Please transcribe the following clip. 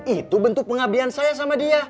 itu bentuk pengabdian saya sama dia